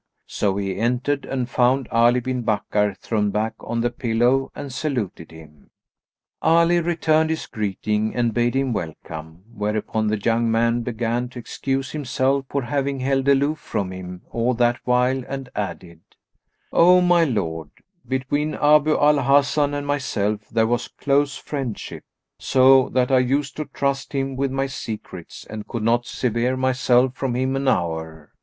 So he entered and found Ali bin Bakkar thrown back on the pillow and saluted him. Ali returned his greeting and bade him welcome; whereupon the young man began to excuse himself for having held aloof from him all that while and added, "O my lord, between Abu al Hasan and myself there was close friendship, so that I used to trust him with my secrets and could not sever myself from him an hour.